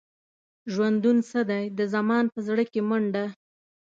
ژوندون څه دی؟ د زمان په زړه کې منډه.